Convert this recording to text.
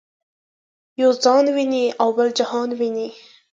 یو ځان ویني او بل جهان ویني.